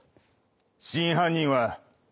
真犯人は。